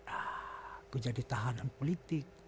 aku jadi tahanan politik